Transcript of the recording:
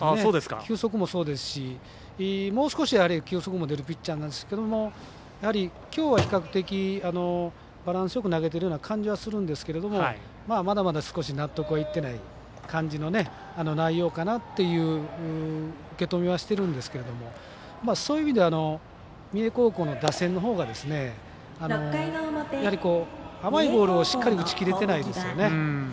球速もそうですしもう少し、球速も出るピッチャーなんですけどきょうは比較的、バランスよく投げているような感じはするんですけどもまだまだ少し納得はいってない感じの内容かなっていう受け止めはしてるんですけどそういう意味では三重高校の打線のほうが甘いボールをしっかり打ち切れてないですよね。